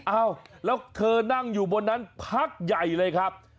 อ้าวแล้วเธอนั่งอยู่บนนั้นพักใหญ่เลยครับ